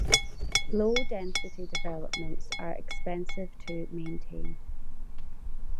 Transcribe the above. Low density developments are expensive to maintain.